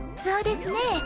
そうですね。